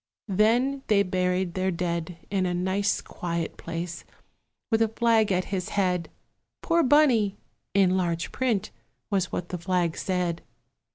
Then they buried their dead In a nice quiet place, with a flag at his head; "Poor Bunny!" in large print was what the flag said.